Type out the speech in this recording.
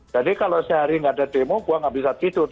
jadi kalau sehari gak ada demo gue gak bisa tidur